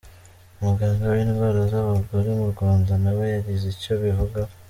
Umuganga w’indwara z’abagore mu Rwanda na we yagize icyo abivugaho.